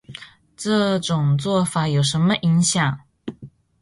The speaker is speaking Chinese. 这种做法有什么影响